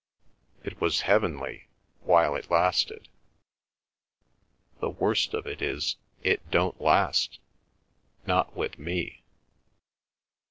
"It was heavenly!—while it lasted. The worst of it is it don't last, not with me.